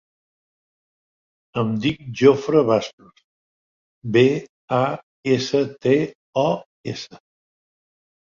Em dic Jofre Bastos: be, a, essa, te, o, essa.